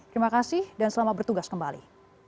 terima kasih dan selamat bertugas kembali